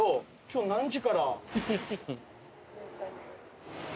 今日何時から？